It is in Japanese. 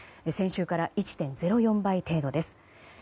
先週から１．０４倍程度です。